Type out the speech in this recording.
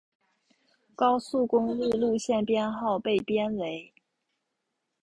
高速公路路线编号被编为。